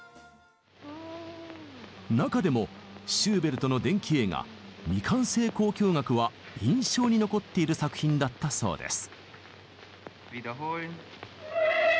中でもシューベルトの伝記映画「未完成交響楽」は印象に残っている作品だったそうです。